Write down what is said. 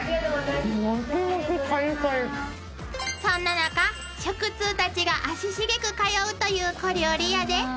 ［そんな中食通たちが足しげく通うという小料理屋で］